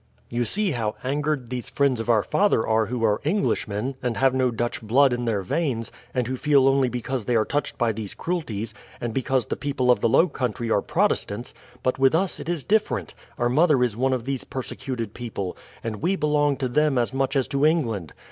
"You see how angered these friends of our father are who are Englishmen, and have no Dutch blood in their veins, and who feel only because they are touched by these cruelties, and because the people of the Low Country are Protestants; but with us it is different, our mother is one of these persecuted people, and we belong to them as much as to England.